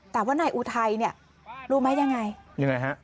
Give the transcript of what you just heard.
แต่ว่านายอุทัยเนี่ยรู้ไหมยังไงยังไงฮะ